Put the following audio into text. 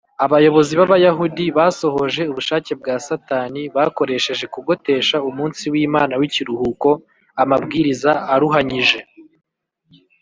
abayobozi b’abayahudi basohoje ubushake bwa satani bakoresheje kugotesha umunsi w’imana w’ikiruhuko amabwiriza aruhanyije